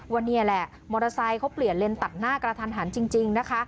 ว่านี่แหละมอเตอร์ไซค์เขาเปลี่ยนเลนตัดหน้ากระทันหันจริงนะคะ